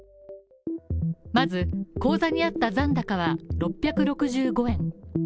まず、口座にあった残高は６６５円。